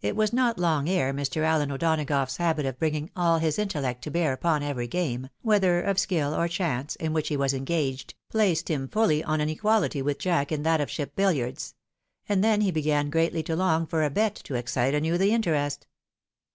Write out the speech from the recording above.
It was not long ere Mr. Allen O'Donagough's habit of bringing all his inteUeot to bear upon every game, whether of skill or chance, in which he was engaged, placed him fully on an equality with Jack in that of ship billiards ; and then he began greatly to long for a bet to excite anew the interest.